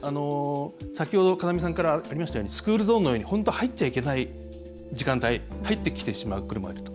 先ほど風見さんからありましたようにスクールゾーンのように本当は入っちゃいけない時間帯に入ってきてしまう車がいると。